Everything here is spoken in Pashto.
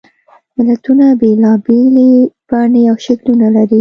متلونه بېلابېلې بڼې او شکلونه لري